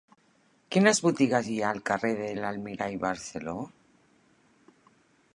Quines botigues hi ha al carrer de l'Almirall Barceló?